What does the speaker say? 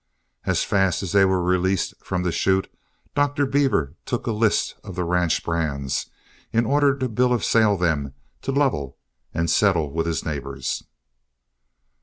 As fast as they were released from the chute, Dr. Beaver took a list of the ranch brands, in order to bill of sale them to Lovell and settle with his neighbors.